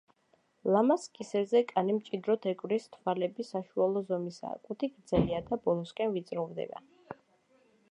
ლამაზ კისერზე კანი მჭიდროდ ეკვრის, თვალები საშუალო ზომისაა, კუდი გრძელია და ბოლოსკენ ვიწროვდება.